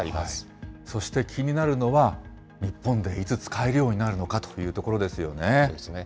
そして、気になるのは、日本でいつ使えるようになるのかというところですよね。